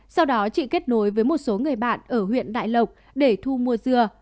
sau đó chị kết nối với một số người bạn ở huyện đại lộc để thu mua dừa